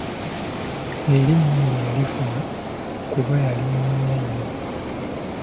Erinnya eryo yalifuna kuba yali munyumya nnyo.